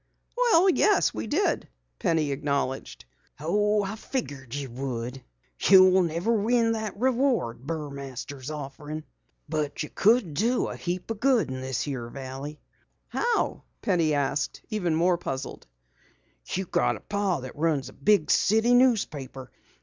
"Well, yes, we did," Penny acknowledged. "Figured you would. You'll never win that reward Burmaster's offerin', but you could do a heap o' good in this here valley." "How?" asked Penny, even more puzzled. "You got a pa that runs a big city newspaper.